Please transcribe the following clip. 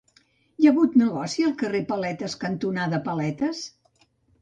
Hi ha algun negoci al carrer Paletes cantonada Paletes?